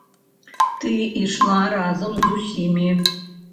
Ты ішла разам з усімі.